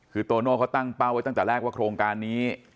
คือโตโน่เขาตั้งเป้าไว้ตั้งแต่แรกว่าโครงการนี้